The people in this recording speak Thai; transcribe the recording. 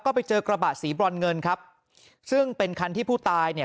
ก็ไปเจอกระบะสีบรอนเงินครับซึ่งเป็นคันที่ผู้ตายเนี่ย